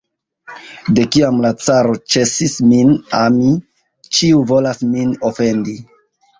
De kiam la caro ĉesis min ami, ĉiu volas min ofendi!